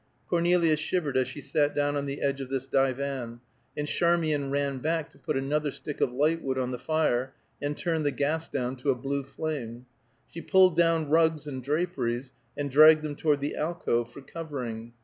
Cornelia shivered as she sat down on the edge of this divan, and Charmian ran back to put another stick of lightwood on the fire, and turn the gas down to a blue flame. She pulled down rugs and draperies, and dragged them toward the alcove for covering.